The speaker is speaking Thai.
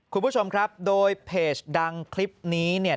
คุณผู้ชมครับโดยเพจดังคลิปนี้เนี่ย